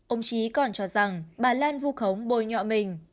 ông trí còn cho rằng bà lan vu khống bồi nhọ mình